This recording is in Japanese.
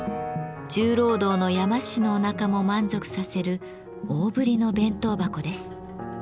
重労働の山師のおなかも満足させる大ぶりの弁当箱です。